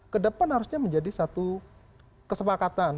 kedepan harusnya menjadi satu kesepakatan